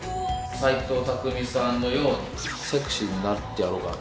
斎藤工さんのようにセクシーになってやろうかなと。